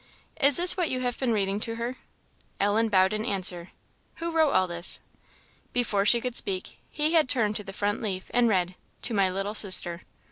"Is this what you have been reading to her?" Ellen bowed in answer. "Who wrote all this?" Before she could speak, he had turned to the front leaf, and read, "To my little sister."